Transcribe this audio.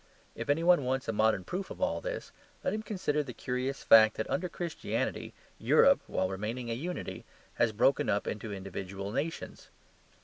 If any one wants a modern proof of all this, let him consider the curious fact that, under Christianity, Europe (while remaining a unity) has broken up into individual nations.